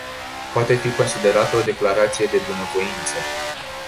Poate fi considerat o declarație de bunăvoință.